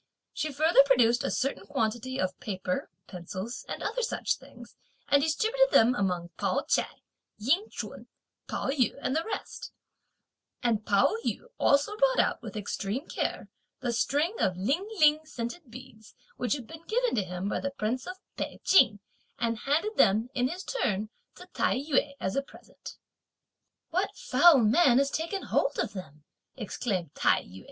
She further produced a certain quantity of paper, pencils and other such things, and distributed them among Pao Ch'ai, Ying Ch'un, Pao yü and the rest; and Pao yü also brought out, with extreme care, the string of Ling ling scented beads, which had been given to him by the Prince of Pei Ching, and handed them, in his turn, to Tai yü as a present. "What foul man has taken hold of them?" exclaimed Tai yü.